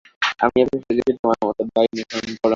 আমিও ফেঁসে গেছি তোমার মতো, বা ইউনিফর্ম পড়া অন্যদের মতো।